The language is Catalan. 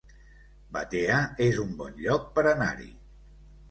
Batea es un bon lloc per anar-hi